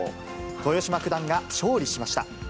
豊島九段が勝利しました。